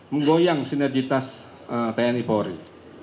menggoyang sinergitas tni poweri